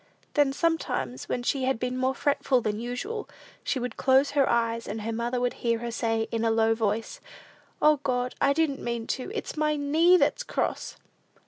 Then, sometimes, when she had been more fretful than usual, she would close her eyes, and her mother would hear her say, in a low voice, "O, God, I didn't mean to. It's my knee that's cross!"